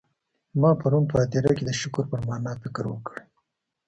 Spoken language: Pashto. ما پرون په هدیره کي د شکر پر مانا فکر وکړی.